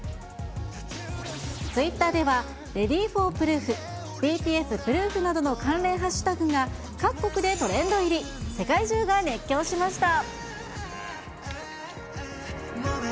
ツイッターでは、レディーフォープルーフ、ＢＴＳＰｒｏｏｆなどの関連＃が、各国でトレンド入り、世界中が熱狂しました。